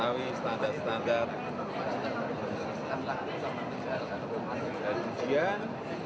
dan ujian dari kualitas pendidikan kita harus diperlukan